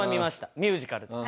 ミュージカル。